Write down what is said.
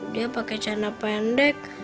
dia pake jana pendek